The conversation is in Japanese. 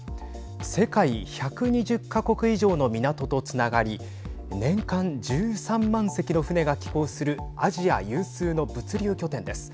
世界１２０か国以上の港とつながり年間１３万隻の船が寄港するアジア有数の物流拠点です。